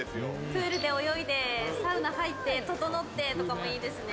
プールで泳いでサウナ入ってととのってとかもいいですね。